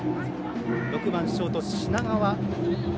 ６番、ショート、品川。